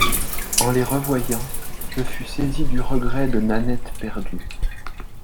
En les revoyant, je fus saisi du regret de Nanette perdue.